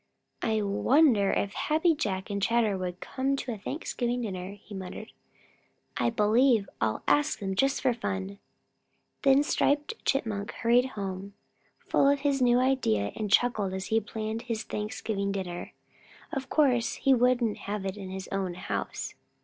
"I wonder if Happy Jack and Chatterer would come to a Thanksgiving dinner," he muttered. "I believe I'll ask them just for fun." Then Striped Chipmunk hurried home full of his new idea and chuckled as he planned his Thanksgiving dinner. Of course he couldn't have it at his own house.